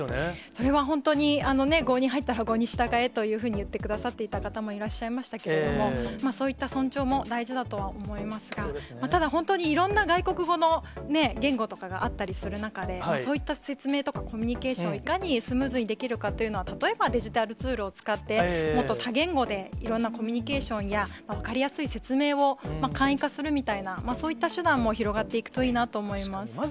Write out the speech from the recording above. それは本当に、郷に入ったら郷に従えと言ってくださっていた方もいらっしゃいましたけれども、そういった尊重も大事だとは思いますが、ただ、本当にいろんな外国語の言語とかがあったりする中で、そういった説明とか、コミュニケーションをいかにスムーズにできるかというのは、例えばデジタルツールを使って、もっと多言語でいろんなコミュニケーションや、分かりやすい説明を、簡易化するみたいな、そういった手段も広がっていくといいなと思います。